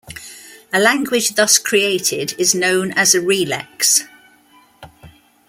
A language thus created is known as a "relex".